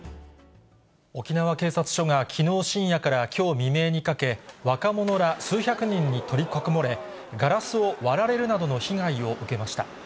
沖縄警察署がきのう深夜からきょう未明にかけ、若者ら数百人に取り囲まれ、ガラスを割られるなどの被害を受けました。